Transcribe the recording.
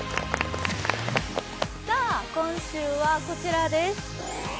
今週はこちらです。